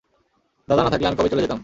দাদা না থাকলে আমি কবেই চলে যেতাম।